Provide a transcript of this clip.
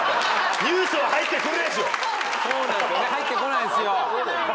入ってこないんすよ。